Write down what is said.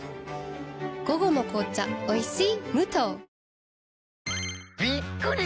午後の紅茶おいしい